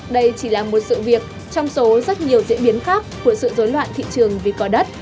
đây chỉ là một sự việc trong số rất nhiều diễn biến khác của sự dối loạn thị trường vì có đất